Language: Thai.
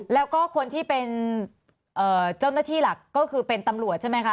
แล้วก็คนที่เป็นเจ้าหน้าที่หลักก็คือเป็นตำรวจใช่ไหมคะ